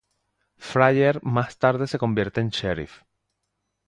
Fryer más tarde se convierte en sheriff.